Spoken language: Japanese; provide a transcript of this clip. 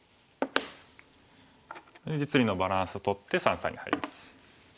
実利のバランスをとって三々に入ります。